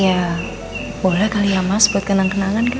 ya boleh kali ya mas buat kenang kenangan